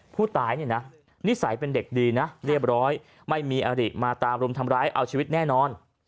ผู้ตายเนี่ยนะนิสัยเป็นเด็กดีนะเรียบร้อยไม่มีอริมาตามรุมทำร้ายเอาชีวิตแน่นอน